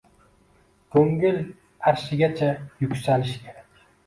Ko‘ngil arshigacha yuksalish kerak.